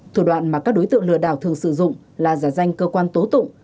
thủ đoạn mà các đối tượng lừa đảo thường sử dụng là giả danh cơ quan tố tụng